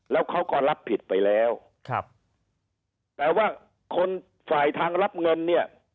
แล้วเขาก็รับผิดไปแล้วครับแต่ว่าคนฝ่ายทางรับเงินเนี่ย